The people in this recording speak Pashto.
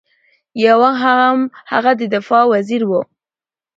یو وخت هغه د دفاع وزیر ؤ